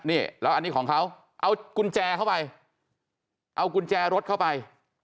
นี่แล้วอันนี้ของเขาเอากุญแจเข้าไปเอากุญแจรถเข้าไป